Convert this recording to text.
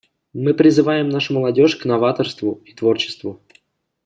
Мы призываем нашу молодежь к новаторству и творчеству.